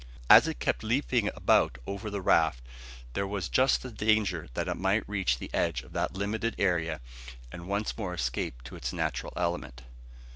As it kept leaping about over the raft, there was just the danger that it might reach the edge of that limited area, and once more escape to its natural element.